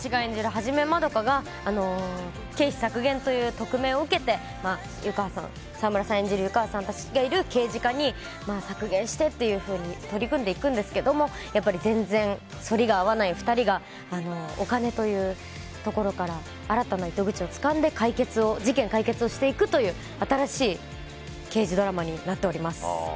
一円が経費削減というトクメイを受けて沢村さん演じる湯川さんたちがいる刑事課に削減してっていうふうに取り組んでいくんですが全然反りが合わない２人がお金というところから新たな糸口をつかんで事件解決をしていくという新しい刑事ドラマになっています。